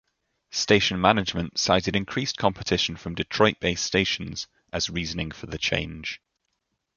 Station management cited increased competition from Detroit-based stations as reasoning for the change.